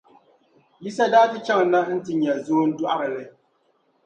Yisa daa ti chaŋ na nti nya zoondɔɣirili.